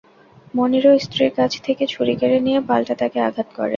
মনিরও স্ত্রীর কাছ থেকে ছুরি কেড়ে নিয়ে পাল্টা তাঁকে আঘাত করেন।